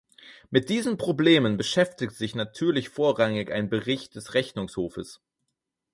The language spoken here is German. Mit diesen Problemen beschäftigt sich natürlich vorrangig ein Bericht des Rechnungshofes.